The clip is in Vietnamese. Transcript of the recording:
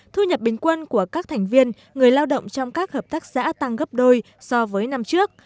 thu nhập bình quân của các thành viên người lao động trong các hợp tác xã tăng gấp đôi so với năm trước